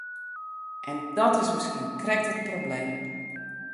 En dat is miskien krekt it probleem.